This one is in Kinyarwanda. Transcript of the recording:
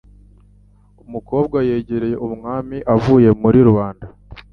Umukobwa yegereye umwami avuye muri rubanda.